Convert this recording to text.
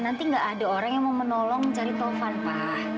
nanti gak ada orang yang mau menolong cari taufan pak